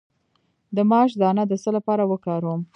د ماش دانه د څه لپاره وکاروم؟